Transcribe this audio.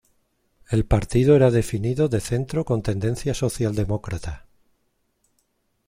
El partido era definido de centro con tendencia socialdemócrata.